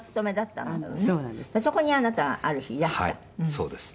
そうです。